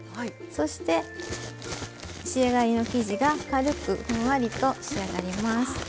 そして仕上がりの生地が軽くふんわりと仕上がります。